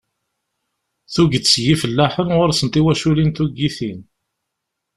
Tuget n yifellaḥen ɣur-sen tiwaculin tuggitin.